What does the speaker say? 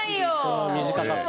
短かった。